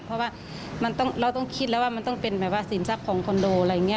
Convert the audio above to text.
เพราะว่าเราต้องคิดแล้วว่ามันต้องเป็นแบบว่าสินทรัพย์ของคอนโดอะไรอย่างนี้